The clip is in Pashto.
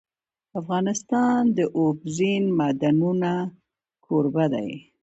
افغانستان د اوبزین معدنونه کوربه دی.